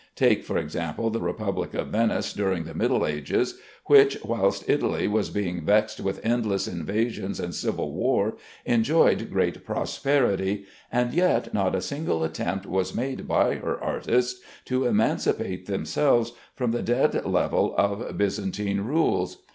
Take, for instance, the Republic of Venice during the Middle Ages, which, whilst Italy was being vexed with endless invasions and civil war, enjoyed great prosperity; and yet not a single attempt was made by her artists to emancipate themselves from the dead level of Byzantine rules.